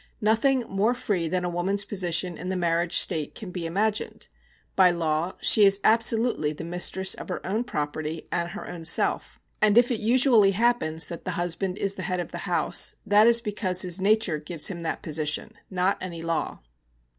Nothing more free than a woman's position in the marriage state can be imagined. By law she is absolutely the mistress of her own property and her own self; and if it usually happens that the husband is the head of the house, that is because his nature gives him that position, not any law.